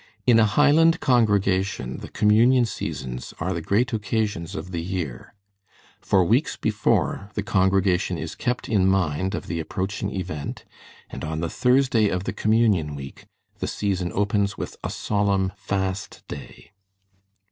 In a Highland congregation the Communion Seasons are the great occasions of the year. For weeks before, the congregation is kept in mind of the approaching event, and on the Thursday of the communion week the season opens with a solemn fast day.